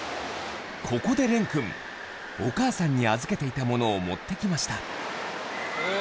ここで錬くんお母さんに預けていたものを持ってきました